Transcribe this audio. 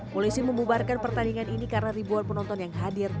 polisi membubarkan pertandingan ini karena ribuan penonton yang hadir